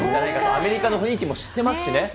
アメリカの雰囲気も知ってますしね。